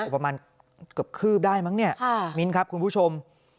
ประมาณเกือบคืบได้มั้งเนี่ยมิ้นครับคุณผู้ชม